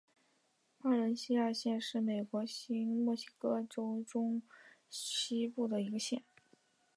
巴伦西亚县是美国新墨西哥州中西部的一个县。